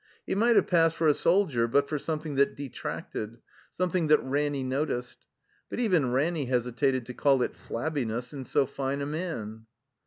He might have passed for a soldier but for something that detracted, something that Ranny noticed. But even Ranny hesitated to call it flabbiness in so fine a man.